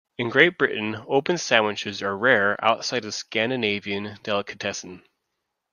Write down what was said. In Great Britain, open sandwiches are rare outside of Scandinavian delicatessens.